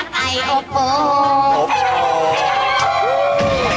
พี่ชิชกับทองนะคะ